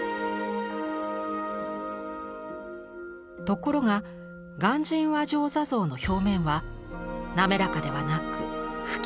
ところが鑑真和上坐像の表面は滑らかではなく不均一です。